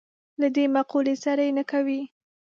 له دې مقولې سره یې نه کوي.